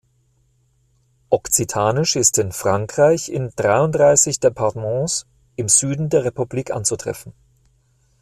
Okzitanisch ist in Frankreich in dreiunddreißig Departements im Süden der Republik anzutreffen.